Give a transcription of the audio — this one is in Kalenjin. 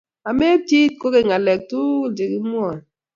Ameepchi it kogeny ng'aleek tugul che kimwaei .